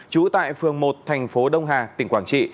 trú tại phường một thành phố đông hà tỉnh quảng trị